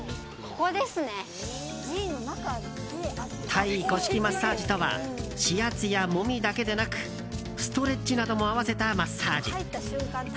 タイ古式マッサージとは指圧や、もみだけでなくストレッチなども合わせたマッサージ。